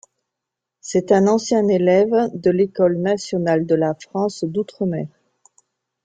C'est un ancien élève de l'École nationale de la France d'outre-mer.